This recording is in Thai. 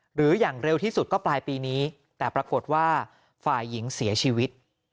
หรืออย่างเร็วที่สุดก็ปลายปีนี้แต่ปรากฏว่าฝ่ายหญิงเสียชีวิต